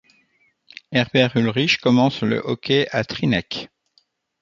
Herbert Ulrich commence le hockey à Třinec.